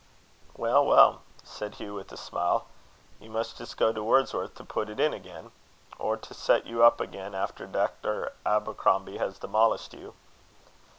"Well, well," said Hugh, with a smile, "you must just go to Wordsworth to put it in again; or to set you again up after Dr. Abercrombie has demolished you."